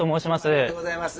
ありがとうございます。